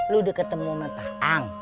lu udah ketemu sama pak ang